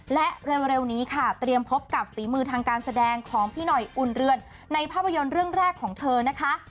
และเร็วนี้ค่ะเตรียมพบกับฝีมือทางการแสดงของพี่หน่อยอุ่นเรือนในภาพยนตร์เรื่องแรกของเธอนะคะ